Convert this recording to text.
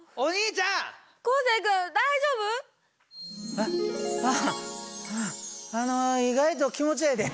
あっあああの意外と気持ちええで。